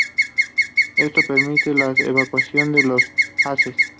Esto permite la evacuación de las heces.